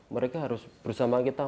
mereka harus bersama kita